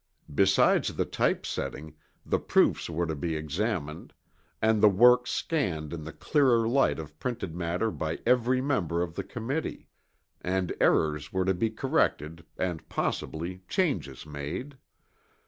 Besides the typesetting, the proofs were to be examined, and the work scanned in the clearer light of printed matter by every member of the committee; and errors were to be corrected, and possibly changes made.